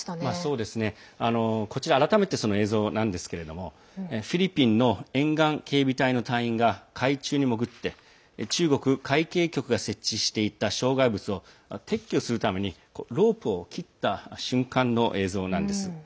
そうですね、こちら改めてその映像なんですがフィリピンの沿岸警備隊の隊員が海中に潜って中国海警局が設置していた障害物を撤去するためにロープを切った瞬間の映像です。